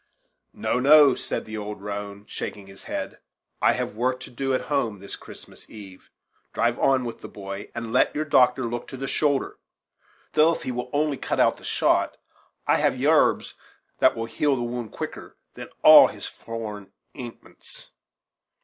"No, no," said the old roan, shaking his head; "I have work to do at home this Christmas eve drive on with the boy, and let your doctor look to the shoulder; though if he will only cut out the shot, I have yarbs that will heal the wound quicker than all his foreign 'intments."